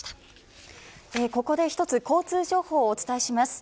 ここで一つ交通情報をお伝えします。